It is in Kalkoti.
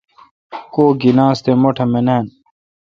کوگینانس تے مٹھ مناں۔